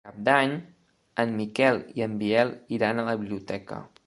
Per Cap d'Any en Miquel i en Biel iran a la biblioteca.